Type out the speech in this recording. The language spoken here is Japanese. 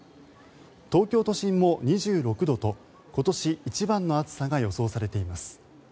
東京都心も２６度と今年一番の暑さが予想されています。